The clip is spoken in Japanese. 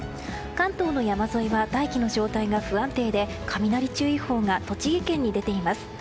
関東の山沿いは大気の状態が不安定で雷注意報が栃木県に出ています。